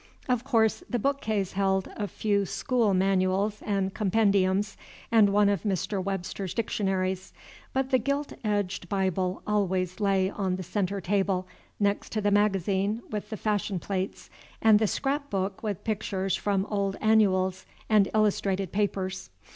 Of course the bookcase held a few school manuals and compendiums, and one of Mr. Webster's Dictionaries. But the gilt edged Bible always lay on the centre table, next to the magazine with the fashion plates and the scrap book with pictures from old annuals and illustrated papers.